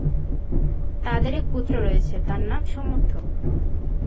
তাদের এক পুত্র রয়েছে, তার নাম সমর্থ।